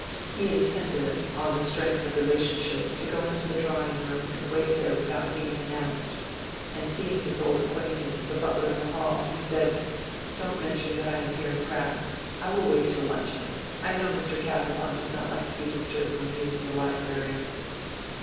He intended, on the strength of relationship, to go into the drawing room and wait there without being announced; and seeing his old acquaintance the butler in the hall, he said, "Don't mention that I am here, Pratt; I will wait till luncheon; I know Mr. Casaubon does not like to be disturbed when he is in the library."